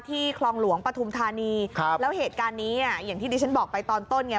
คลองหลวงปฐุมธานีครับแล้วเหตุการณ์นี้อ่ะอย่างที่ดิฉันบอกไปตอนต้นไง